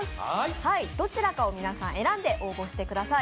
はいどちらかを皆さん選んで応募してください